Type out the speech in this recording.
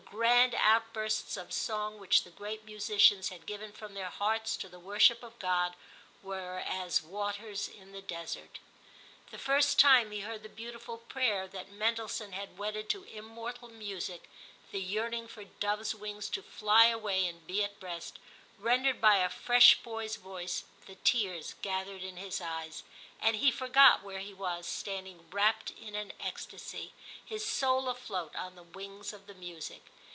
grand outbursts of song which the great musicians had given from their hearts to the worship of God, were as waters in the desert. The first time he heard the beautiful prayer that Mendelssohn has wedded to immortal music, the yearning for doves' wings to fly away and be at rest, rendered by a fresh boy's voice, the tears gathered in his eyes, and he forgot where he was, standing wrapped in an ecstasy, his soul afloat on the wings of the music.